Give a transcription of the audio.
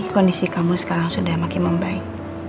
kondisi kamu sekarang sudah makin membaik